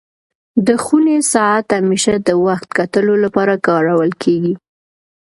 د خوني ساعت همېشه د وخت کتلو لپاره کارول کيږي.